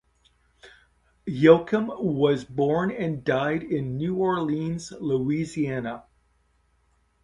Yochim was born and died in New Orleans, Louisiana.